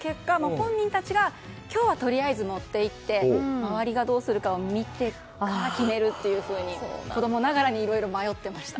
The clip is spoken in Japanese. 本人たちが今日はとりあえず持って行って周りがどうするかを見てから決めると子供ながらにいろいろ迷っていました。